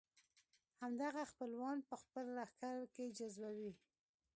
همدغه خپلوان په خپل لښکر کې جذبوي.